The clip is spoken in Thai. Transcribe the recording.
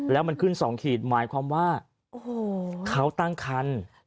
แล้วมันขึ้นการตรวจการตั้งครรภ์